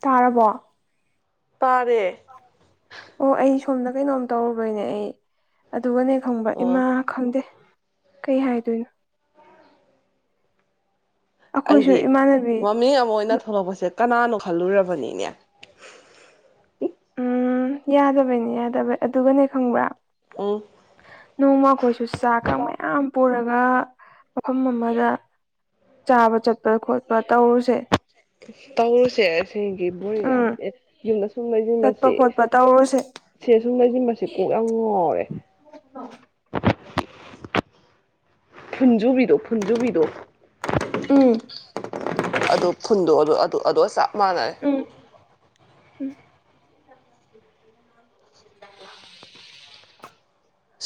ꯇꯥꯔꯕꯣ ꯇꯥꯔꯦ ꯑꯩ ꯁꯣꯝꯗ ꯀꯩꯅꯣꯝ ꯇꯧꯔꯨꯕꯩꯅꯦ ꯑꯩ ꯑꯗꯨꯒꯅꯦ ꯈꯪꯕ ꯏꯃꯥ ꯑꯣ ꯈꯪꯗꯦ ꯀꯩ ꯍꯥꯏꯗꯣꯏꯅꯣ ꯑꯩꯈꯣꯏꯁꯨ ꯑꯩꯗꯤ ꯏꯃꯥꯟꯅꯕꯤ ꯃꯃꯤꯡ ꯑꯃ ꯑꯣꯏꯅ ꯊꯣꯛꯂꯛꯄꯁꯦ ꯀꯅꯥꯅꯣ ꯈꯜꯂꯨꯔꯕꯅꯤꯅꯦ ꯎꯝ ꯌꯥꯗꯕꯩꯅꯦ ꯌꯥꯗꯕꯩ ꯑꯗꯨꯒꯅꯦ ꯈꯪꯕ꯭ꯔꯥ ꯎꯝ ꯅꯣꯡꯃꯈꯣꯏꯁꯨ ꯆꯥꯛꯀ ꯃꯌꯥꯝ ꯄꯨꯔꯒ ꯉꯥ ꯃꯐꯝ ꯑꯃꯗ ꯆꯥꯕ ꯆꯠꯄ ꯈꯣꯠꯄ ꯇꯧꯔꯨꯁꯦ ꯇꯧꯔꯨꯁꯦꯦꯡꯒꯤ ꯕꯣꯣꯔꯡ ꯌꯥꯝ ꯎꯝ ꯑꯦ ꯌꯨꯝꯗ ꯁꯨꯝ ꯆꯠꯄ ꯂꯩꯁꯤꯟꯕꯁꯤ ꯈꯣꯠꯄ ꯇꯧꯔꯨꯁꯦ ꯁꯦ ꯁꯨꯝ ꯂꯩꯁꯤꯟꯕꯁꯦ ꯀꯣꯛ ꯌꯥꯝ ꯉꯥꯎꯔꯦ ꯐꯨꯟꯖꯨꯕꯤꯗꯣ ꯐꯨꯟꯖꯨꯕꯤꯗꯣ ꯎꯨ ꯑꯗꯨ ꯐꯨꯟꯗꯣ ꯑꯗꯨ ꯑꯗꯨ ꯑꯗꯣ ꯆ ꯎꯝ ꯎꯝ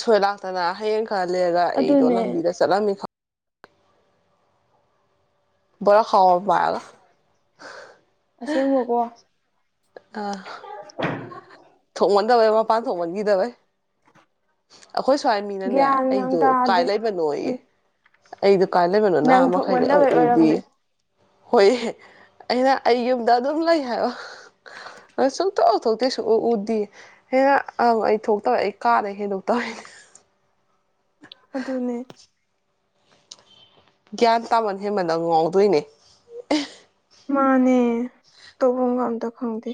ꯁꯣꯏ ꯂꯥꯛꯇꯅ ꯍꯌꯦꯡ ꯈꯔ ꯂꯩꯔꯒ ꯑꯩꯗꯣ ꯑꯗꯨꯅꯦ ꯂꯝꯕꯤꯗ ꯆꯠꯂꯝꯃꯤ ꯈ ꯕꯣꯔꯈꯥꯎ ꯑꯃ ꯄꯥꯏꯔꯒ ꯑꯁꯦꯡꯕꯀꯣ ꯑ ꯊꯣꯡꯃꯟꯗꯕ ꯄꯥꯡ ꯊꯣꯡꯃꯟꯒꯤ ꯇꯕ ꯑꯩꯈꯣꯏ ꯁ꯭ꯋꯥꯏ ꯃꯤꯅꯅꯦ ꯒ꯭ꯌꯥꯟꯒ ꯑꯩꯗꯣ ꯀꯥꯏ ꯇꯥꯗꯦ ꯂꯩꯕꯅꯣ ꯎꯝ ꯑꯩꯗꯣ ꯀꯥꯏ ꯂꯩꯕꯅꯣ ꯅꯪ ꯅꯍꯥ ꯃꯈꯩꯗꯤ ꯌꯥꯝꯛ ꯊꯣꯛꯃꯟꯗꯕꯩ ꯎꯗꯦ ꯑꯣꯏꯔꯝꯅꯦ ꯍꯣꯏ ꯑꯩꯅ ꯑꯩ ꯌꯨꯝꯗ ꯑꯗꯨꯝ ꯂꯩ ꯍꯥꯏꯔꯣ ꯁꯨꯛ ꯊꯣꯛꯇꯦ ꯁꯨꯛꯎ ꯎꯗꯦ ꯁꯤ ꯍꯦꯟꯅ ꯑꯪ ꯑꯩ ꯊꯣꯛꯇꯧꯦ ꯑꯩ ꯀꯥꯗꯩ ꯍꯦꯟꯗꯣꯛꯇꯧꯅꯦ ꯑꯗꯨꯅꯦ ꯒ꯭ꯌꯥꯟ ꯇꯥꯃꯟ ꯍꯦꯃꯟꯗ ꯉꯥꯎꯗꯣꯏꯅꯦ ꯃꯥꯅꯦ ꯇꯐꯝꯒ ꯑꯝꯇ ꯈꯪꯗꯦ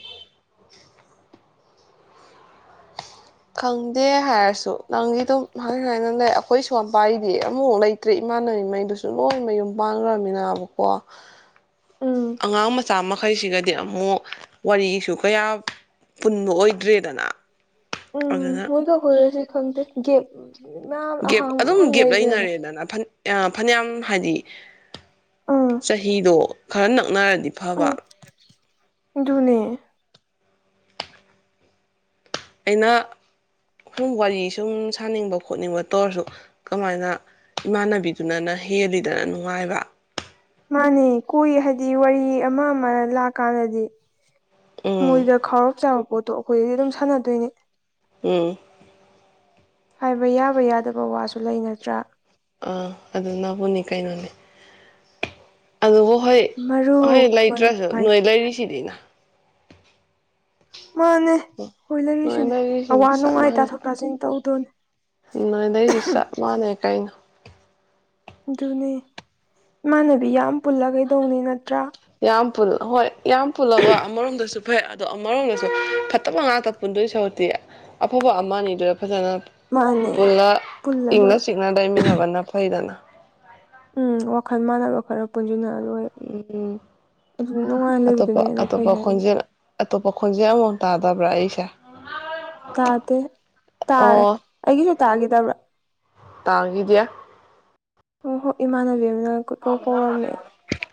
ꯈꯪꯗꯦ ꯍꯥꯏꯔꯁꯨ ꯅꯪꯗꯤ ꯑꯗꯨꯝ ꯍꯥꯏ ꯍꯥꯏꯅ ꯂꯩ ꯑꯩꯈꯣꯏ ꯁꯣꯝꯄꯥꯥꯏꯔꯤꯗꯤ ꯑꯃꯨꯛꯐꯥꯎ ꯂꯩꯇ꯭ꯔꯦ ꯏꯃꯥ ꯍꯥꯟꯅꯩꯉꯩꯗꯨꯁꯨ ꯂꯣꯏ ꯃꯌꯨꯝ ꯄꯥꯟꯈ꯭ꯔꯃꯤꯅꯥꯕꯀꯣ ꯎꯝ ꯑꯉꯥꯡ ꯃꯆꯥ ꯑꯃ ꯃꯈꯩꯁꯤꯒꯗꯤ ꯑꯃꯨꯛ ꯋꯥꯔꯤꯁꯨ ꯀꯌꯥ ꯄꯨꯟꯕ ꯑꯣꯏꯗ꯭ꯔꯦꯗꯅ ꯎꯝ ꯑꯗꯨꯅ ꯃꯣꯏꯒ ꯑꯩꯈꯣꯏꯒꯁꯤ ꯈꯪꯗꯦ ꯒꯦꯞ ꯃꯌꯥꯝ ꯒꯦꯞ ꯑꯍꯥꯡꯕ ꯑꯗꯨꯝ ꯃꯌꯥꯝ ꯒꯦꯞ ꯂꯩꯈ꯭ꯔꯦꯗ ꯂꯩꯅꯔꯦꯗꯅ ꯐ ꯐꯅꯌꯥꯝ ꯍꯥꯏꯗꯤ ꯑꯥ ꯆꯍꯤꯗꯣ ꯈꯔ ꯅꯛꯅꯔꯅꯤ ꯅꯤꯐꯕ ꯙꯨꯅꯦ ꯑꯩꯅ ꯁꯨꯝ ꯋꯥꯔꯤ ꯁꯨꯝ ꯁꯥꯅꯤꯡꯕ ꯈꯣꯠꯅꯤꯡꯕ ꯇ ꯑꯣꯏꯔꯁꯨ ꯀꯃꯥꯏꯅ ꯏꯃꯥꯟꯅꯕꯤꯗꯨꯅꯅ ꯍꯦꯜꯂꯤꯗꯅ ꯅꯨꯡꯉꯥꯏꯕ ꯃꯥꯅꯤ ꯀꯣꯏ ꯍꯥꯏꯗꯤ ꯋꯥꯔꯤ ꯑꯃ ꯑꯃ ꯂꯥꯛꯀꯥꯟꯗꯗꯤ ꯎꯝ ꯃꯣꯏꯗ ꯈꯥꯎꯔꯞ ꯆꯥꯕ ꯄꯣꯠꯇꯣ ꯑꯩꯈꯣꯏꯗꯗꯤ ꯑꯗꯨꯝ ꯁꯥꯟꯅꯗꯣꯏꯅꯦ ꯎꯝ ꯍꯥꯏꯕ ꯌꯥꯕ ꯌꯥꯗꯕ ꯋꯥꯁꯨ ꯂꯩꯅꯗ꯭ꯔꯥ ꯑꯥ ꯑꯗꯨ ꯅꯕꯨꯅꯤ ꯀꯩꯅꯣꯅꯦ ꯑꯗꯨꯕꯨ ꯍꯣꯏ ꯍꯣꯏ ꯃꯔꯨꯞ ꯃꯔꯨꯞ ꯂꯩꯇ꯭ꯔꯁꯨ ꯅꯣꯏ ꯍꯥꯏꯁꯦ ꯂꯩꯔꯤꯁꯤꯗꯤꯅ ꯃꯥꯅꯦ ꯍꯣꯏ ꯅꯣꯏ ꯂꯩꯔꯤꯁꯤꯅꯦ ꯂꯩꯔꯤꯁꯤꯅꯤ ꯑꯋꯥ ꯆꯞ ꯅꯨꯡꯉꯥꯏ ꯃꯥꯟꯅꯩ ꯇꯥꯊꯣꯛ ꯇꯥꯁꯤꯟ ꯇꯧꯗꯧꯅꯦ ꯅꯣꯏ ꯂꯩꯁꯤ ꯆꯞ ꯃꯥꯟꯅꯩ ꯀꯩꯅꯣ ꯑꯗꯨꯅꯦ ꯏꯃꯥꯟꯅꯕꯤ ꯌꯥꯝ ꯄꯨꯜꯂ ꯀꯩꯗꯧꯅꯤ ꯅꯠꯇ꯭ꯔꯥ ꯌꯥꯝ ꯄꯨꯜꯂ ꯍꯣꯏ ꯌꯥꯝ ꯄꯨꯜꯂꯒ ꯑꯃꯔꯣꯝꯗꯁꯨ ꯐꯩ ꯑꯗꯣ ꯑꯃꯔꯣꯝꯗꯁꯨ ꯐꯠꯇꯕ ꯉꯥꯛꯇ ꯄꯨꯟꯗꯣꯏ ꯁꯥꯎꯨꯗꯤꯤ ꯑꯐꯕ ꯑꯃꯅꯤꯗꯨꯗ ꯐꯖꯅ ꯃꯥꯅꯦ ꯄꯨꯜꯂ ꯄꯨꯜꯂ ꯂꯣꯏꯔꯦ ꯏꯪꯅ ꯆꯤꯛꯅ ꯂꯩꯃꯤꯟꯅꯕꯅ ꯐꯩꯗꯅ ꯎꯝ ꯋꯥꯈꯜ ꯃꯥꯟꯕ ꯈꯔꯛ ꯄꯨꯟꯁꯤꯅ ꯑꯗ ꯎꯝ ꯑꯗꯨ ꯅꯨꯡꯉꯥꯏꯅ ꯂꯩꯕꯗꯨꯅꯦ ꯑꯇꯣꯞꯄ ꯑꯩꯅ ꯐꯩ ꯑꯇꯣꯞꯄ ꯍꯥꯏꯕꯅꯦ ꯈꯣꯟꯖꯦꯜ ꯑꯇꯣꯞꯄ ꯈꯣꯟꯖꯦꯛ ꯑꯃꯃꯥꯎꯛ ꯇꯥꯗꯕ꯭ꯔꯥ ꯑꯩꯁꯦ ꯇꯥꯗꯦ ꯇꯥꯔꯦ ꯑꯩꯒꯤꯁꯨ ꯇꯥꯈꯤꯗꯕ꯭ꯔꯥ ꯇꯥꯥꯒꯤꯗꯦ ꯑꯣ ꯍꯣ ꯏꯃꯥꯟꯅꯕꯤ ꯑ ꯀꯣꯏ ꯀꯧ ꯀꯧꯔꯝꯃꯦ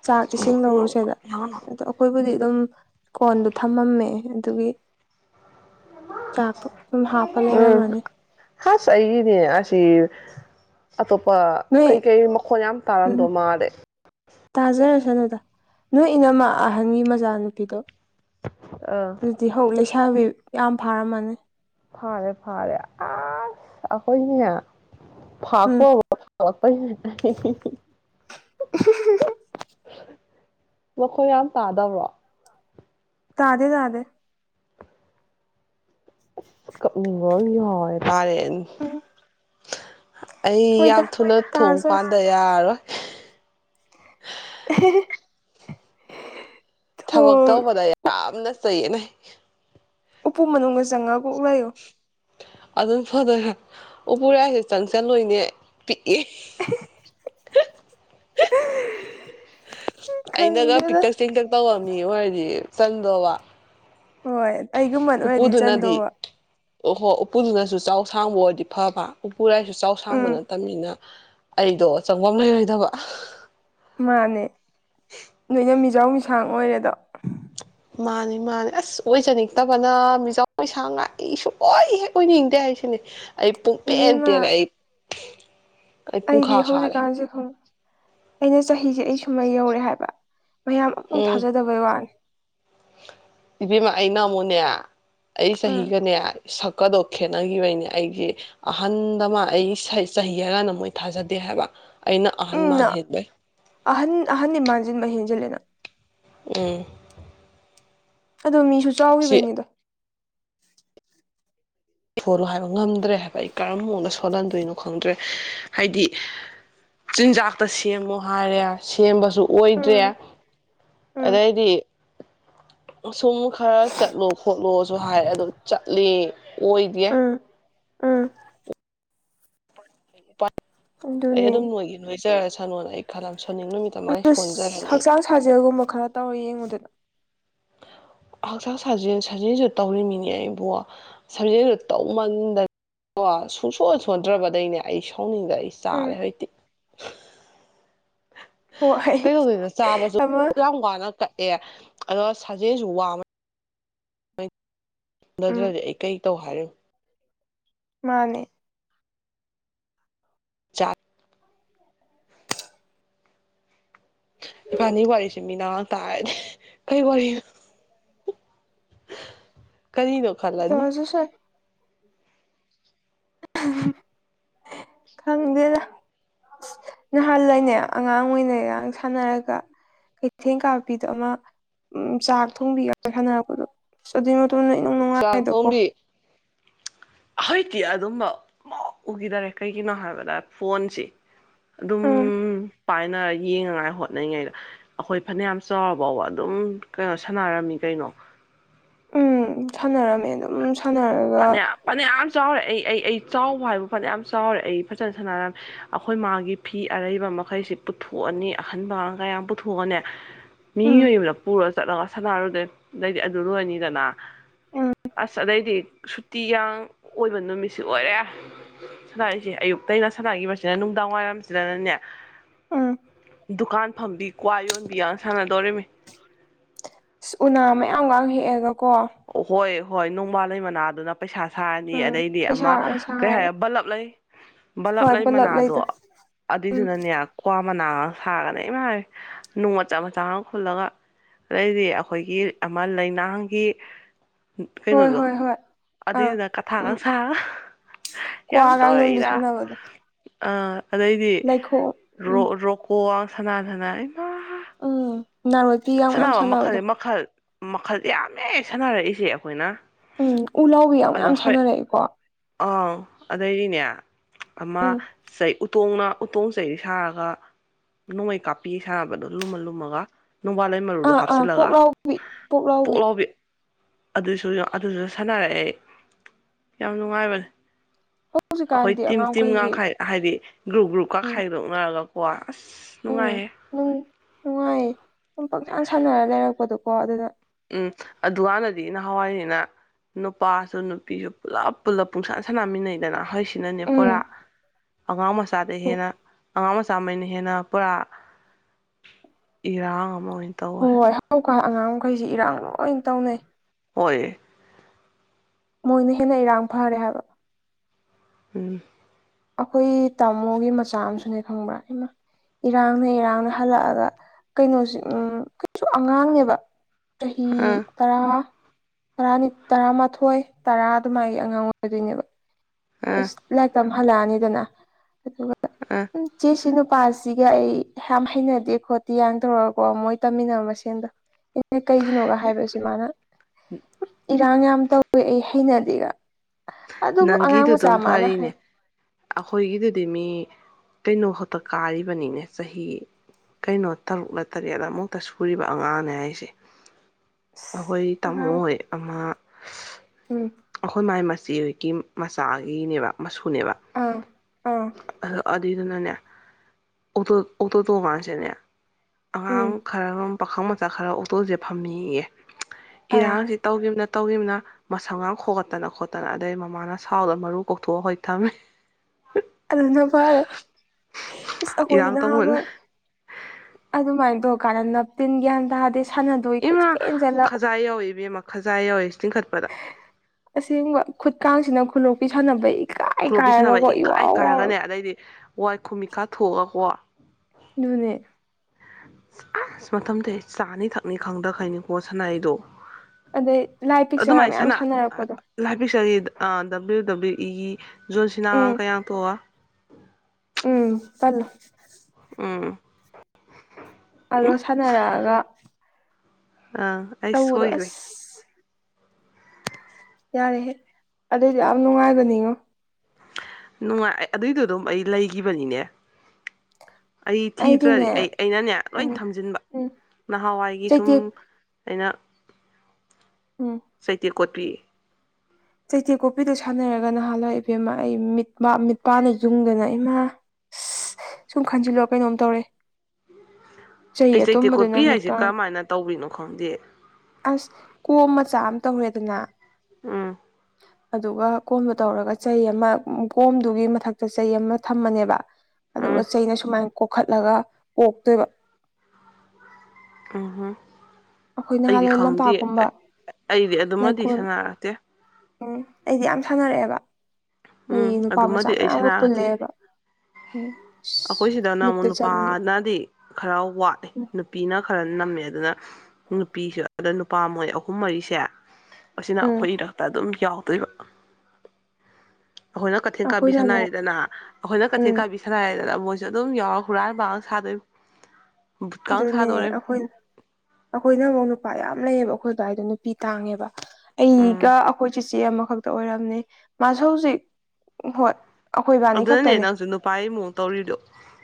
ꯆꯥꯛ ꯏꯁꯤꯡ ꯂꯧꯔꯨꯁꯦꯗ ꯎꯝ ꯑꯗꯣ ꯑꯩꯈꯣꯏꯕꯨꯗꯤ ꯑꯗꯨꯝ ꯀꯣꯟꯗꯨ ꯊꯝꯃꯝꯃꯦ ꯑꯗꯨꯒꯤ ꯆꯥꯛꯇ ꯑꯗꯨꯝ ꯍꯥꯞꯄ ꯂꯩꯔꯝꯃꯅꯤ ꯑꯁ ꯑꯩꯒꯤꯅꯦ ꯑꯁꯤ ꯑꯇꯣꯞꯄ ꯅꯣꯏ ꯀꯩ ꯀꯔꯤ ꯃꯈꯣꯟ ꯌꯥꯝ ꯎꯝ ꯇꯥꯔꯝꯗꯣ ꯃꯥꯜꯂꯦ ꯇꯥꯖꯔꯁꯅꯨꯗ ꯅꯣꯏ ꯏꯅꯝꯃ ꯑꯍꯟꯒꯤ ꯃꯆꯥꯅꯨꯄꯤꯗꯣ ꯑꯥ ꯑꯗꯨꯗꯤ ꯍꯧꯖꯤꯛ ꯂꯩꯁꯥꯕꯤ ꯌꯥꯝ ꯐꯥꯔꯝꯃꯅꯤ ꯐꯥꯔꯦ ꯐꯥꯔꯦ ꯑꯥꯁ ꯑꯩꯈꯣꯏꯅ ꯎꯝ ꯐꯥꯀ ꯐꯀ ꯃꯈꯣꯜ ꯌꯥꯝ ꯇꯥꯗꯕꯔꯣ ꯇꯥꯗꯦ ꯇꯥꯗꯦ ꯀꯞꯅꯤꯡꯕ ꯑꯝ ꯌꯥꯎꯌꯦ ꯇꯥꯔꯦꯟ ꯎꯝ ꯑꯩ ꯍꯣꯏꯗ ꯌꯥꯝ ꯊꯨꯅ ꯊꯣꯡ ꯇꯥꯖꯔꯁ ꯄꯥꯟꯗ ꯌꯥꯔꯔꯣꯏ ꯑꯍꯦꯍꯦ ꯊꯕꯛ ꯇꯧꯕꯗ ꯌꯥꯝꯅ ꯆꯩꯌꯦꯠꯅꯩ ꯎꯄꯨ ꯃꯅꯨꯡꯗ ꯆꯪꯉꯒ ꯀꯣꯛ ꯂꯩꯌꯨ ꯑꯗꯨꯅ ꯐꯗꯣꯏꯔ ꯎꯄꯨ ꯔꯥꯏꯁꯨ ꯆꯪ ꯆꯜꯂꯣꯏꯅꯦ ꯄꯤꯛꯑꯦ [inaudible] ꯍ [unintelligible] ꯑꯩꯅꯒ ꯄꯤꯛꯇꯛ ꯆꯦꯡꯇꯛ ꯇꯧꯕ ꯃꯤ ꯑꯣꯏꯔꯗꯤ ꯆꯟꯗꯧꯕ ꯍꯣꯏ ꯑꯩꯒꯨꯝꯃꯟ ꯑꯣꯏꯔꯗꯤ ꯎꯄꯨꯗꯨꯅꯗꯤ ꯆꯟꯗꯧꯕ ꯑꯣꯍꯣ ꯎꯄꯨꯗꯨꯅꯁꯨ ꯆꯥꯎ ꯁꯥꯡꯕ ꯑꯣꯏꯔꯗꯤ ꯐꯕ ꯎꯄꯨꯔꯥꯏꯁꯨ ꯆꯥꯎ ꯁꯥꯡꯕ ꯎꯝ ꯅꯠꯇꯝꯅꯤꯅ ꯑꯩꯗꯣ ꯆꯪꯐꯝ ꯂꯩꯔꯣꯏꯗꯕ ꯃꯥꯅꯦ ꯅꯣꯏꯅ ꯃꯤꯖꯥꯎ ꯃꯤꯁꯥꯡ ꯑꯣꯏꯔꯦꯗꯣ ꯃꯥꯅꯤ ꯃꯥꯅꯤ ꯑꯁ ꯑꯣꯏꯖꯅꯤꯡꯇꯕꯅ ꯃꯤꯖꯥꯎ ꯑꯣꯏꯁꯥꯡ ꯉꯥꯏ ꯑꯩ ꯁꯨꯡꯂꯣꯏ ꯍꯦꯛ ꯑꯣꯏꯅꯤꯡꯗꯦ ꯍꯥꯏꯁꯤꯅꯦ ꯑꯩ ꯄꯨꯨꯡꯄꯦꯟ ꯏꯕꯦꯝꯃ ꯄꯦꯜꯂꯦ ꯑꯩ ꯑꯩ ꯑꯩꯗꯤ ꯄꯨꯡꯈꯥ ꯈꯥꯔꯦ ꯍꯧꯖꯤꯛꯀꯥꯟꯁꯤ ꯈꯪꯉ ꯑꯩꯅ ꯆꯍꯤꯁꯦ ꯑꯩ ꯁꯨꯝꯃꯩ ꯌꯧꯔꯦ ꯍꯥꯏꯕ ꯃꯌꯥꯝ ꯑꯃꯨꯛ ꯎꯝ ꯊꯥꯖꯗꯕꯩ ꯋꯥꯅꯤ ꯏꯕꯦꯝꯃ ꯑꯩꯅ ꯃꯨꯅꯦ ꯑꯩ ꯎꯝ ꯆꯍꯤꯒꯅꯦ ꯁꯛꯀꯗꯣ ꯈꯦꯠꯅꯈꯤꯕꯩꯅꯦ ꯑꯩꯒꯤ ꯑꯍꯟꯗ ꯃꯥ ꯑꯩ ꯆꯍꯤ ꯍꯥꯏꯒꯥꯟꯅ ꯃꯣꯏ ꯊꯥꯖꯗꯦ ꯍꯥꯏ ꯍꯥꯏꯕ ꯑꯩꯅ ꯑꯍꯟ ꯎꯝ ꯃꯥꯟ ꯅ ꯍꯦꯟꯕꯩ ꯑꯍꯟ ꯑꯍꯟ ꯃꯥꯟꯖꯤꯟꯕ ꯍꯦꯟꯖꯤꯜꯂꯦ ꯅꯪ ꯎꯝ ꯑꯗꯣ ꯃꯤꯁꯨ ꯁꯤ ꯆꯥꯎꯒꯤꯕꯩꯅꯤꯗ ꯑꯩ ꯁꯣꯜꯂꯣ ꯍꯥꯏꯕ ꯉꯝꯗ꯭ꯔꯦ ꯍꯥꯏꯕ ꯑꯩ ꯀꯔꯝꯕ ꯃꯑꯣꯡꯗ ꯁꯣꯜꯍꯟꯗꯣꯏꯅꯣ ꯈꯪꯗ꯭ꯔꯦ ꯍꯥꯏꯗꯤ ꯆꯤꯟꯖꯥꯛꯇ ꯁꯦꯝꯃꯨ ꯍꯥꯏꯔꯦ ꯁꯦꯝꯕꯁꯨ ꯁꯨ ꯑꯣꯏꯗ꯭ꯔꯦ ꯎꯝ ꯎꯝ ꯑꯗꯩꯗꯤ ꯁꯨꯝ ꯈꯔ ꯆꯠꯂꯣ ꯈꯣꯠꯂꯣꯁꯨ ꯍꯥꯏ ꯑꯗꯣ ꯆꯠꯂꯤ ꯑꯣꯏꯗꯦ ꯎꯝ ꯎꯝ ꯑꯩ ꯎ ꯑꯩ ꯑꯗꯨꯅꯦ ꯑꯗꯨꯝ ꯅꯣꯏꯒꯤ ꯅꯣꯏꯖꯔ ꯁꯥꯅꯣꯅ ꯑꯩ ꯈꯜꯂꯝ ꯁꯣꯟꯅꯤꯡ ꯅꯨꯃꯤꯠꯇ ꯃꯥꯏ ꯑꯗꯨ ꯁꯣꯟꯖꯔꯅꯤ ꯍꯛꯆꯥꯡ ꯁꯥꯖꯦꯜꯒꯨꯝꯕ ꯈꯔ ꯇꯧꯔ ꯌꯦꯡꯉꯨꯗꯅ ꯍꯛꯆꯥꯡ ꯁꯥꯖꯦꯟ ꯁꯥꯖꯦꯟꯁꯨ ꯇꯧꯔꯤꯃꯤꯅꯦ ꯑꯩꯕꯣ ꯁꯥꯖꯦꯟꯁꯨ ꯇꯧꯃꯟꯗꯅ ꯑꯣ ꯁꯨꯡꯁꯣꯟ ꯁꯣꯟꯗ꯭ꯔꯕꯗꯩꯅꯦ ꯑꯩ ꯁꯥꯎꯅꯤꯡꯗ ꯑꯩ ꯎꯝ ꯆꯥꯔꯦ ꯍꯧꯏꯛꯇꯤ [inaudible] ꯍꯣꯏ ꯀꯩꯗꯧꯗꯣꯏꯅꯣ ꯆꯥꯕꯁꯨ ꯑꯃ ꯌꯥꯝ ꯋꯥꯅ ꯀꯛꯑꯦ ꯑꯗꯣ ꯁꯥꯖꯦꯜ [unintelligible] ꯎꯝ ꯅꯠꯇ꯭ꯔꯗꯤ ꯑꯩ ꯀꯩ ꯇꯧ ꯍꯥꯏꯔꯤꯝ ꯃꯥꯅꯦ ꯏꯕꯥꯅꯤ ꯋꯥꯔꯤꯁꯦ ꯃꯤꯅ ꯇꯥꯔꯗꯤ ꯀꯔꯤ ꯋꯥꯔꯤꯅꯣ ꯀꯔꯤꯅꯣ ꯈꯜꯂꯅꯤ ꯇꯧꯔꯁꯨ ꯁꯟ ꯈꯪꯗꯦꯗ ꯅꯍꯥꯟꯋꯥꯅꯦ ꯑꯉꯥꯡ ꯑꯣꯏꯅꯩꯔꯥꯡ ꯁꯥꯟꯅꯔꯒ ꯀꯩꯊꯦꯜ ꯀꯥꯞꯄꯤꯗꯣ ꯑꯃ ꯎ ꯆꯥꯛ ꯊꯣꯡꯕꯤ ꯁꯅꯔꯛꯄꯗꯣ ꯑꯗꯨꯏ ꯇꯨꯅ ꯏꯅꯨꯡ ꯆꯥꯛ ꯅꯨꯡꯉꯥꯏꯗꯀꯣ ꯊꯣꯡꯕꯤ ꯍꯧꯖꯤꯛꯇꯤ ꯑꯗꯨꯝꯕ ꯑꯃ ꯎꯈꯤꯗꯔꯦ ꯀꯩꯒꯤꯅꯣ ꯍꯥꯏꯕꯗ ꯐꯣꯟꯁꯤ ꯑꯗꯨꯝ ꯎꯝ ꯄꯥꯏꯅ ꯌꯦꯡꯅꯉꯥꯏ ꯍꯣꯠꯅꯉꯩꯗ ꯑꯩꯈꯣꯏ ꯐꯅꯌꯥꯝ ꯆꯥꯎꯐꯥꯎꯕ ꯑꯗꯨꯝ ꯀꯩꯅꯣ ꯁꯥꯟꯅꯔꯝꯃꯤ ꯀꯩꯅꯣ ꯎꯝ ꯁꯥꯟꯅꯔꯝꯃꯦ ꯑꯗꯨꯝ ꯁꯥꯟꯅꯔꯒ ꯐꯥꯅꯤꯌꯥꯝ ꯐꯥꯅꯤꯌꯥꯝ ꯆꯥꯎꯔꯦ ꯑꯩ ꯑꯩ ꯆꯥꯎꯕ ꯍꯥꯏꯕ ꯐꯖꯅ ꯌꯥꯝ ꯆꯥꯎꯔꯦ ꯑꯩ ꯐꯖꯅ ꯁꯅꯔ ꯑꯩꯈꯣꯏ ꯃꯥꯒꯤ ꯐꯤ ꯑꯔꯩꯕ ꯃꯈꯩꯁꯤ ꯄꯨꯊꯣꯛꯑꯅꯤ ꯑꯈꯟꯕ ꯀꯌꯥꯝ ꯄꯨꯊꯣꯛꯑꯅꯤ ꯎꯝ ꯃꯤꯏꯂ ꯄꯨꯔꯒ ꯆꯠꯂꯒ ꯁꯥꯟꯅꯔꯨꯗꯦ ꯑꯗꯩꯗꯤ ꯑꯗꯨ ꯂꯣꯏꯔꯅꯤꯗꯅ ꯎꯝ ꯑꯁ ꯑꯗꯩꯗꯤ ꯁꯨꯇꯤꯒ ꯑꯣꯏꯕ ꯅꯨꯃꯤꯠꯁꯤ ꯑꯣꯏꯔꯦ ꯁꯥꯟꯅꯏꯁꯦ ꯑꯌꯨꯛꯇꯩꯅ ꯁꯅꯈꯤꯕꯁꯤꯅ ꯅꯨꯡꯗꯥꯡ ꯋꯥꯏꯔꯝꯁꯤꯗꯅꯅꯦ ꯎꯝ ꯗꯨꯀꯥꯟ ꯐꯝꯕꯤ ꯀ꯭ꯋꯥ ꯌꯣꯟꯕꯤ ꯌꯥꯅ ꯁꯥꯟꯅꯗꯧꯔꯤꯃꯤ ꯎꯅꯥ ꯃꯌꯥꯝꯒ ꯍꯦꯛꯑꯒ ꯍꯣꯏ ꯍꯣꯏ ꯅꯣꯡꯕꯥꯜ ꯂꯩ ꯃꯅꯥ ꯑꯗꯨꯅ ꯄꯩꯁꯥ ꯁꯥꯔꯅꯤ ꯎꯝ ꯑꯗꯩꯗꯤ ꯑꯃ ꯄꯩꯁꯥꯒ ꯀꯩ ꯍꯥꯏ ꯁꯥꯔꯒ ꯕꯜꯂꯞ ꯂꯩ ꯕꯂꯞ ꯍꯣꯏ ꯂꯩ ꯃꯅꯥꯗꯣ ꯂꯩꯗꯣ ꯎꯝ ꯑꯗꯨꯏꯗꯨꯅꯅꯦ꯭ ꯃꯅꯥ ꯁꯥꯒꯅꯦ ꯏꯃꯦ ꯅꯣꯡ ꯃꯆꯥ ꯃꯆꯥ ꯑꯃ ꯈꯨꯜꯂꯒ ꯑꯗꯩꯗꯤ ꯑꯩꯈꯣꯏꯒꯤ ꯑꯃ ꯂꯩꯅꯥꯡꯒꯤ ꯍꯣꯏ ꯀꯩꯅꯣꯗꯣ ꯍꯣꯏ ꯍꯣꯏ ꯑꯥ ꯑꯗꯨꯏꯗꯨꯅ ꯀꯊꯥꯒ ꯎꯝ ꯁꯥꯔ ꯌꯥꯝ ꯀ꯭ꯋꯥꯒ ꯇꯧꯔꯛꯏ ꯌꯣꯟꯕꯤ ꯗ ꯁꯥꯟꯅꯕꯗꯣ ꯑꯗꯩꯗꯤ ꯂꯩꯈꯣꯝ ꯎꯝ ꯔꯣ ꯔꯣꯀꯣ ꯁꯅꯥꯗꯅ ꯎꯝ ꯅꯥꯔꯣꯇꯤꯒ ꯃꯌꯥꯝ ꯁꯥꯟꯅꯕꯗꯣ ꯃꯈꯜꯁ ꯌꯥꯝ ꯍꯦꯛ ꯁꯥꯟꯅꯔꯛꯏꯁꯦ ꯑꯩꯈꯣꯏꯅ ꯎꯝ ꯎ ꯂꯥꯎꯕꯤ ꯌꯥ ꯑꯗꯣ ꯃꯌꯥꯝ ꯍꯣꯏ ꯁꯥꯟꯅꯔꯛꯑꯦꯀꯣ ꯑꯥꯎ ꯑꯗꯩꯗꯤꯅꯦ ꯑꯃ ꯎꯝ ꯆꯩ ꯎ ꯎꯇꯣꯡꯅ ꯎꯇꯣꯡ ꯆꯩ ꯁꯥꯔꯒ ꯅꯣꯡꯃꯩ ꯀꯥꯞꯄꯤ ꯁꯥꯅꯕꯗꯣ ꯂꯨꯝꯃ ꯂꯨꯝꯃꯒ ꯅꯣꯡꯕꯥꯜ ꯂꯩꯩ ꯃꯔꯨꯗꯣ ꯑꯥ ꯑꯥ ꯍꯥꯞꯆꯤꯜꯂꯒ ꯄꯣꯛꯂꯥꯎꯕꯤ ꯄꯣꯛꯂꯥꯎꯕꯤ ꯑꯗꯨꯁꯨ ꯑꯗꯨꯁꯨ ꯁꯥꯟꯅꯔꯛꯑꯦ ꯌꯥꯝ ꯅꯨꯡꯉꯥꯏꯕꯅꯦ ꯑꯩꯈꯣꯏ ꯍꯧꯖꯤꯛꯀꯥꯟꯗꯤ ꯇꯤꯝ ꯇꯤꯝ ꯑꯉꯥꯡꯈꯩꯁꯤ ꯀꯈꯥꯏ ꯍꯥꯏꯗꯤ ꯒ꯭ꯔꯨꯞ ꯒ꯭ꯔꯨꯞ ꯎꯝ ꯀꯈꯥꯏꯗꯣꯛꯅꯔꯒꯀꯣ ꯑꯁ ꯅꯨꯡꯉꯥꯏꯌꯦ ꯑꯗꯨꯨꯝ ꯄꯪꯁꯥꯜ ꯁꯥꯟꯅꯔ ꯂꯩꯔꯛꯄꯗꯣꯀꯣ ꯑꯗꯨꯅ ꯎꯝ ꯑꯗꯨꯀꯥꯟꯗꯗꯤ ꯅꯍꯥꯟꯋꯥꯏꯅꯤꯅ ꯅꯨꯄꯥꯁꯨ ꯅꯨꯄꯤꯁꯨ ꯄꯨꯜꯂꯞ ꯄꯨꯜꯂꯞ ꯄꯨꯡꯁꯥꯟ ꯁꯥꯟꯅꯃꯤꯟꯅꯩꯗꯅ ꯍꯣꯏ ꯁꯤꯅꯅꯦ ꯎꯝ ꯄꯨꯣꯔꯥ ꯑꯉꯥꯡ ꯃꯆꯥꯗ ꯍꯦꯟꯅ ꯑꯉꯥꯡ ꯃꯆꯥꯃꯩꯅ ꯍꯦꯟꯅ ꯄꯨꯔꯥ ꯏꯔꯥꯡ ꯑꯃ ꯇꯧꯔꯦ ꯍꯣꯏ ꯍꯣꯏ ꯍꯧꯀ ꯑꯉꯥꯡ ꯃꯈꯩꯁꯤ ꯏꯔꯥꯡ ꯂꯣꯏ ꯇꯧꯅꯩ ꯑꯣꯏ ꯃꯣꯏꯅ ꯍꯦꯟꯅ ꯏꯔꯥꯡ ꯐꯔꯦ ꯍꯥꯏꯕ ꯎꯝ ꯑꯩꯈꯣꯏ ꯇꯥꯃꯣꯒꯤ ꯃꯆꯥ ꯑꯃꯁꯨꯅꯦ ꯈꯪꯕ꯭ꯔꯥ ꯏꯃ ꯏꯔꯥꯡꯅ ꯏꯔꯥꯡꯅ ꯍꯜꯂꯛꯑꯒ ꯀꯩꯅꯣꯁꯤ ꯎꯝ ꯀꯩꯁꯨ ꯑꯉꯥꯡꯅꯦꯕ ꯆꯍꯤ ꯑꯥ ꯇꯔꯥ ꯥꯅꯤ ꯇꯔꯥꯃꯥꯊꯣꯏ ꯇꯔꯥ ꯑꯗꯨꯃꯥꯏ ꯑꯩ ꯑꯉꯥꯡ ꯑꯣꯏꯗꯣꯏꯅꯦꯕ ꯑꯥ ꯑꯁ ꯂꯥꯏꯔꯤ ꯇꯝ ꯍꯜꯂꯛꯑꯅꯤꯗꯅ ꯑꯗꯨꯒ ꯑꯥ ꯆꯦꯁꯤꯅ ꯅꯨꯄꯥꯁꯤꯒ ꯑꯩ ꯌꯥꯝ ꯍꯩꯅꯗꯦ ꯈꯣꯠꯇꯦꯅ ꯇꯧꯔꯒꯀꯣ ꯃꯣꯏ ꯇꯝꯃꯤꯟꯅꯕ ꯃꯁꯦꯟꯗꯣ ꯩꯅ ꯀꯩꯒꯤꯅꯣꯒ ꯍꯥꯏꯕꯕꯁꯤꯦ ꯃꯥꯅ ꯏꯔꯥꯡ ꯌꯥꯝ ꯇꯧꯋꯦ ꯑꯩ ꯍꯩꯅꯗꯒ ꯅꯪꯒꯤꯗꯨ ꯑꯗꯨꯝ ꯐꯔꯤꯅꯦ ꯑꯩꯈꯣꯏꯒꯤꯗꯨꯗꯤ ꯃꯤ ꯀꯩꯅꯣ ꯈꯛꯇ ꯀꯥꯔꯤꯕꯅꯤꯅꯦ ꯆꯍꯤ ꯀꯩꯅꯣ ꯇꯔꯨꯛꯂ ꯇꯔꯦꯠꯂ ꯑꯃꯨꯛꯇ ꯁꯨꯔꯤꯕ ꯑꯉꯥꯡꯅꯦ ꯍꯥꯏꯁꯦ ꯑꯩꯈꯣꯏ ꯑꯉꯥꯡ ꯇꯝꯃꯣꯏ ꯑꯃ ꯎꯝ ꯑꯩꯈꯣꯏ ꯃꯥꯏ ꯆꯦ ꯍꯀꯤ ꯃꯆꯥꯒꯤꯅꯦꯕ ꯃꯁꯨꯅꯦꯕ ꯑꯥ ꯑꯥ ꯑꯗꯨꯏꯗꯨꯅꯅꯦꯇ ꯑꯣꯇꯣ ꯇꯣꯀꯥꯟꯁꯤꯦꯅꯦ ꯎꯝ ꯑꯉꯥꯡ ꯈꯔ ꯄꯥꯈꯪ ꯃꯆꯥ ꯈꯔ ꯑꯣꯇꯣꯜꯁꯦ ꯐꯝꯃꯤꯌꯦ ꯑꯥ ꯏꯔꯥꯡꯁ ꯇꯧꯈꯤꯕ ꯅꯠꯇ ꯇꯧꯈꯤꯕꯅ ꯃꯁꯝꯒꯥꯡ ꯈꯣꯒꯠꯇꯅ ꯈꯣꯠꯇ ꯠꯇꯅ ꯑꯗꯩ ꯃꯃꯥꯅ ꯁꯥꯎꯗ ꯃꯔꯨ ꯀꯧꯊꯣꯛꯑ ꯍꯣꯏ ꯊꯝꯃꯤ ꯑꯗꯨꯅ ꯐꯔꯦ ꯏꯁ ꯑꯩꯈꯣꯏꯗꯤ ꯏꯔꯥꯡ ꯇꯧꯕꯅ ꯅꯍꯥꯜꯂꯣꯏ ꯑꯗꯨꯃꯥꯏꯅ ꯇꯧ ꯀꯥꯟꯗ ꯅꯞꯇꯤꯟꯒꯤꯌꯥꯟꯗꯗꯤ ꯏꯃ ꯈꯖꯥ ꯌꯧꯏꯤ ꯏꯕꯦꯝꯃ ꯈꯖꯥ ꯌꯧꯏꯁꯦ ꯑꯁꯦꯡꯕ ꯈꯨꯠꯀꯁꯤꯅ ꯈꯨꯂꯣꯛꯄꯤ ꯁꯥꯟꯅꯕꯩ ꯏꯀꯥꯏ ꯈꯨꯂꯣꯞꯄꯤ ꯁꯥꯟꯅꯕ ꯀꯥꯏꯔꯒꯀꯣ ꯏꯀꯥꯏ ꯏꯋꯥꯎ ꯀꯥꯏꯔꯒꯅꯦ ꯋꯥꯎꯔꯒ ꯑꯗꯩꯗꯤ ꯋꯥꯏꯈꯨꯝꯃꯤꯈꯥ ꯊꯣꯛꯑꯒ ꯀꯣ ꯅꯨꯅ ꯑ ꯑꯁ ꯃꯊꯪꯗꯤ ꯆꯥꯅꯤ ꯊꯛꯅꯤ ꯈꯪꯗ ꯈꯥꯏꯅꯤꯀꯣ ꯁꯅꯥꯏꯗꯣ ꯑꯗꯩ ꯂꯥꯏ ꯄꯤꯛꯆꯔ ꯑꯗꯨꯃꯥꯏꯅ ꯃꯌꯥꯝ ꯁꯅ ꯁꯥꯟꯅꯔꯛꯄꯗꯣ ꯂꯄꯤꯆꯔꯤ ꯑ ꯗꯕ꯭ꯂꯤꯎ ꯗꯕ꯭ꯂꯤꯎ ꯏꯒꯤ ꯎꯝ ꯖꯣꯟꯁꯤꯅꯥꯒꯥꯡ ꯀꯌꯥ ꯊꯣꯛꯣꯛꯑꯣ ꯎꯝ ꯐꯂꯣ ꯎꯝ ꯑꯗꯣ ꯎꯝ ꯁꯥꯟꯅꯔꯛꯑꯒ ꯑ ꯑꯩꯁꯨꯣꯏꯔꯦ ꯌꯥꯔꯦꯍ ꯑꯗꯨꯏꯗꯤ ꯌꯥꯝ ꯅꯨꯡꯉꯥꯏꯕꯅꯤꯉꯣ ꯅꯨꯡꯉꯥꯏ ꯑꯗꯨꯏꯗꯣ ꯑꯗꯨꯝ ꯑꯩ ꯂꯩꯈꯤꯕꯅꯤꯅꯦ ꯑꯩ ꯊꯤꯗ꯭ꯔꯗꯤ ꯑꯩꯗꯤꯅꯦ ꯑꯩ ꯑꯩꯅꯅꯦ ꯂꯣꯏ ꯎꯝ ꯊꯝꯖꯤꯟꯕ ꯎꯝ ꯅꯍꯥꯟꯋꯥꯏꯒꯤ ꯁꯨꯝ ꯆꯩꯇꯦꯛ ꯑꯩꯅ ꯎꯝ ꯀꯣꯠꯠꯇꯄꯤ ꯆꯩꯊꯦꯛꯀꯣꯄꯤꯗꯣ ꯁꯥꯟꯅꯔꯒ ꯅꯍꯥꯟꯋꯥꯏ ꯏꯕꯦꯝꯃ ꯑꯩ ꯃꯤꯠꯄꯥꯅ ꯌꯨꯡꯗꯅ ꯏꯃꯥ ꯁ ꯁꯨꯝ ꯈꯟꯖꯤꯜꯂꯣ ꯀꯩꯅꯣꯝ ꯇꯧꯔꯦ ꯆꯍꯤ ꯑꯩꯁ ꯂꯩꯇꯦ ꯑꯇꯨꯝꯕꯗꯨꯅ ꯀꯣꯠꯄꯤ ꯍꯥꯏꯁꯦ ꯅꯤꯄꯥꯜ ꯀꯔꯝꯃꯥꯏꯅ ꯇꯧꯕꯤꯅꯣ ꯈꯪꯗꯦ ꯑꯁ ꯀꯣꯝ ꯃꯆꯥ ꯑꯃ ꯇꯧꯔ꯭ꯔꯦꯗꯅ ꯎꯝ ꯑꯗꯨꯒ ꯀꯣꯝꯕ ꯇꯧꯔꯒ ꯆꯩ ꯑꯃ ꯀꯣꯝꯗꯨꯒꯤ ꯃꯊꯛꯇ ꯆꯩ ꯑꯃ ꯊꯝꯃꯅꯦꯕ ꯑꯗꯨꯒ ꯎꯝ ꯆꯩꯅ ꯁꯨꯃꯥꯏꯅ ꯀꯣꯛꯈꯠꯂꯒ ꯑꯣꯇꯣꯏꯕ ꯑꯍ ꯑꯩꯈꯣꯏ ꯑꯩꯗꯤ ꯅꯍꯥꯟꯋꯥꯏ ꯈꯪꯗꯦ ꯂꯝꯄꯥꯛꯀꯨꯝꯕ ꯑꯩꯗꯤ ꯑꯗꯨꯃꯗꯤ ꯂꯥꯏꯀꯣꯜ ꯁꯥꯟꯅꯔꯛꯇꯦ ꯎꯝ ꯑꯩꯗꯤ ꯌꯥꯝ ꯁꯥꯟꯅꯔꯛꯑꯦꯕ ꯑꯩ ꯎꯝ ꯅꯨꯄꯥ ꯃꯆꯥ ꯑꯗꯨꯃꯗꯤ ꯑꯩ ꯃꯌꯥꯝꯒ ꯁꯥꯟꯅꯔꯛꯇꯦ ꯄꯨꯜꯂꯛꯑꯦꯕ ꯎꯝ ꯑꯩꯈꯣꯏ ꯁꯤꯗꯅ ꯑꯃꯨꯛ ꯃꯤꯠꯇ ꯆꯪꯒꯦ ꯅꯨꯄꯥꯅꯗꯤ ꯈꯔ ꯋꯥꯠꯂꯤꯦ ꯅꯨꯄꯤꯅ ꯈꯔ ꯅꯝꯃꯦ ꯑꯗꯨꯅ ꯅꯨꯄꯤꯁꯨ ꯑꯗ ꯅꯨꯄꯥ ꯃꯣꯏ ꯑꯍꯨꯝ ꯃꯔꯤꯁꯦ ꯑꯁꯤꯅ ꯎꯝ ꯑꯩꯈꯣꯏ ꯏꯔꯛꯇ ꯑꯗꯨꯝ ꯌꯥꯎꯗꯣꯏꯕ ꯑꯩꯈꯣꯏꯅ ꯀꯩꯊꯦꯜ ꯀꯥꯕꯤ ꯑꯩꯈꯣꯏꯅ ꯑꯃꯨꯛ ꯁꯥꯟꯅꯔꯤꯦꯗꯅ ꯑꯩꯈꯣꯏꯅ ꯀꯩꯊꯦꯜ ꯎꯝ ꯀꯥꯕꯤ ꯁꯥꯟꯅꯔꯦꯗꯅ ꯃꯣꯏ ꯑꯗꯨꯝ ꯌꯥꯎꯔ ꯍꯨꯔꯥꯏ ꯄ ꯁꯥꯗꯣꯏ ꯕꯨꯠꯀ ꯑꯗꯨꯅꯦ ꯁꯥꯗꯣꯔꯦ ꯑꯩꯈꯣꯏ ꯑꯩꯈꯣꯏ ꯅ ꯅꯨꯄꯥ ꯌꯥꯝ ꯂꯩꯌꯦꯕ ꯑꯩꯈꯣꯏ ꯑꯗꯨꯋꯥꯏꯗꯣ ꯅꯨꯄꯤ ꯇꯥꯡꯉꯦꯕ ꯎꯝ ꯑꯩꯒ ꯑꯩꯈꯣꯏ ꯆ ꯆꯦ ꯑꯃꯈꯛꯇ ꯑꯣꯏꯔꯝꯅꯤ ꯃꯥꯁꯨ ꯍꯧꯖꯤꯛ ꯍꯣꯏ ꯑꯩꯈꯣꯏꯕꯥꯅꯤ ꯑꯗꯨꯅꯅꯦ ꯈꯛꯇꯅꯦ ꯅꯪꯁꯨ ꯅꯨꯄꯥꯒꯤ ꯃꯑꯣꯡ ꯇꯧꯔꯤꯗꯣ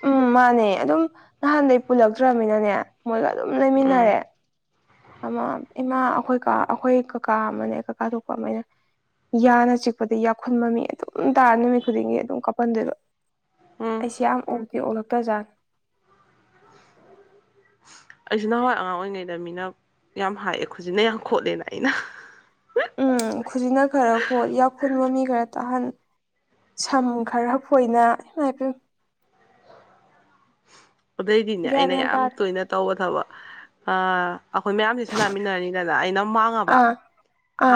ꯎꯝ ꯃꯥꯅꯦ ꯑꯗꯨꯝ ꯅꯍꯥꯟꯗꯥꯒꯤ ꯄꯨꯜꯂꯛꯇ꯭ꯔꯃꯤꯟꯅꯦ ꯃꯣꯏꯒ ꯑꯗꯨꯝ ꯎꯝ ꯂꯩꯃꯤꯟꯅꯔꯦ ꯑꯃꯥ ꯏꯃꯥ ꯑꯩꯈꯣꯏ ꯑꯩꯈꯣꯏ ꯀꯀꯥ ꯑꯃꯅꯦ ꯀꯀꯥ ꯊꯣꯛꯄ ꯑꯃꯅ ꯌꯥꯅ ꯆꯤꯛꯄꯗ ꯌꯥꯎꯈꯨꯟꯕ ꯃꯤ ꯑꯗꯨꯝ ꯇꯥꯔ ꯅꯨꯃꯤꯠ ꯈꯨꯗꯤꯡꯒꯤ ꯑꯗꯨꯝ ꯀꯥꯞꯍꯟꯗꯣꯏꯕ ꯎꯝ ꯑꯩꯁꯦ ꯌꯥꯝ ꯑꯣꯛꯀꯦ ꯑꯣꯂꯛꯇ꯭ꯔꯖꯥꯠ ꯑꯩꯁꯨ ꯅꯍꯥꯟꯋꯥꯏ ꯑꯉꯥꯡ ꯑꯣꯏꯔꯤꯉꯩꯗ ꯃꯤꯅ ꯌꯥꯝ ꯍꯥꯏꯑꯦ ꯍꯧꯖꯤꯛꯅ ꯌꯥꯝ ꯈꯣꯠꯂꯦꯅ ꯑꯩꯅ ꯎꯝ ꯈꯨꯖꯤꯅ ꯈꯔ ꯄꯣꯠ ꯌꯥꯎꯐꯨꯟ ꯃꯃꯤ ꯈꯔ ꯇꯥꯍꯟ ꯁꯝ ꯈꯔꯐꯣꯏꯅ ꯁꯨꯥꯏ ꯍꯥꯏꯌꯨ ꯑꯗꯨꯗꯩꯗꯤꯅꯦ ꯒ꯭ꯌꯥꯟ ꯑꯩꯅ ꯌꯥꯝ ꯇꯥꯗꯦ ꯇꯣꯏꯅ ꯇꯧꯕ ꯊꯕꯛ ꯑ ꯑꯩꯈꯣꯏ ꯃꯌꯥꯝꯁꯦ ꯁꯥꯟꯅꯃꯤꯟꯅꯅꯤꯗꯅ ꯑꯩꯅ ꯃꯥꯡꯉꯕ ꯑꯥ ꯑꯥ ꯑꯍꯥꯟꯕ